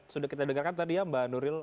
sudah kita dengarkan tadi ya mbak nuril